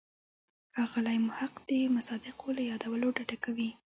ښاغلی محق د مصادقو له یادولو ډډه کوي.